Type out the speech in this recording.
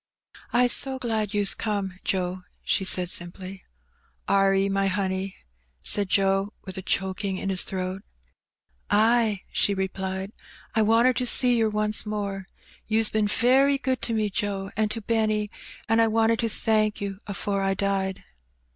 I^s so glad you's come, Joe,'' she said simply. Are 'e, my honey?'' said Joe, with a choking in his throat. "Ay," she replied; "I wanted to see yer once more. You's been very good to me, Joe, and to Benny, an' I wanted to thank you afore I died."